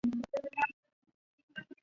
剖析潜在应用与商机